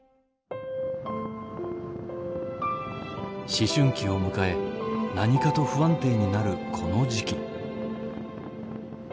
思春期を迎え何かと不安定になるこの時期。